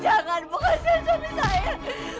jangan hajar suami saya